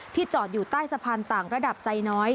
จอดอยู่ใต้สะพานต่างระดับไซน้อย